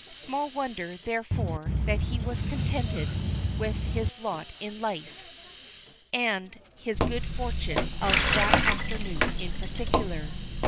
Small wonder, therefore, that he was contented with his lot in life, and his good fortune of that afternoon in particular.